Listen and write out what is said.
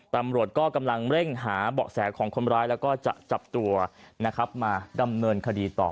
ตำรวจก็กำลังเร่งหาเบาะแสของคนร้ายแล้วก็จะจับตัวนะครับมาดำเนินคดีต่อ